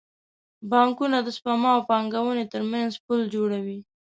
بانکونه د سپما او پانګونې ترمنځ پل جوړوي.